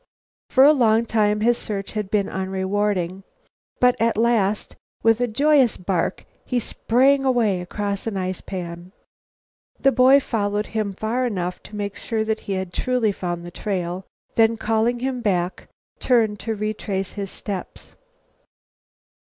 For a long time his search had been unrewarded, but at last, with a joyous bark, he sprang away across an ice pan. The boy followed him far enough to make sure that he had truly found the trail, then, calling him back, turned to retrace his steps.